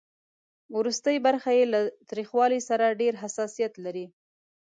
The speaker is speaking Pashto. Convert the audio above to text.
ورستۍ برخه یې له تریخوالي سره ډېر حساسیت لري.